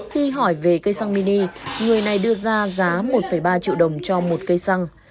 khi hỏi về cây xăng mini người này đưa ra giá một ba triệu đồng cho một cây xăng